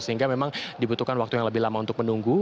sehingga memang dibutuhkan waktu yang lebih lama untuk menunggu